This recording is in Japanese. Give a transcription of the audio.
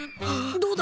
どうだ？